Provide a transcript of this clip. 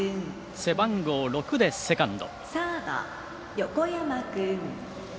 背番号６でセカンド。